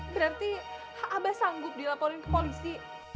berarti abah sanggup dilaporin ke polisi